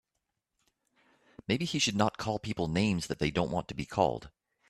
Maybe he should not call people names that they don't want to be called.